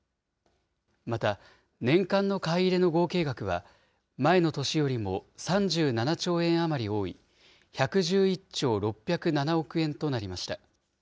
また年間の買い入れの合計額は、前の年よりも３７兆円余り多い、１１１兆６０７億円となりました。